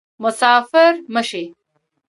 مسافر مه شي